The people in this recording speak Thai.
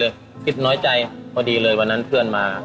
โดยมันคือน้อยใจพอดีเลยวันนั้นเคลื่อนมา